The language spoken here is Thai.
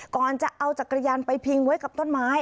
ก่อนจะเอาจักรยานไปพิงไว้กับต้นไม้